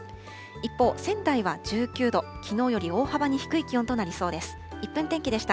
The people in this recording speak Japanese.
一方、仙台は１９度、きのうより大幅に低い気温となりそうです。